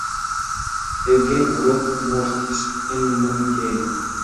Eugen Roth mortis en Munkeno.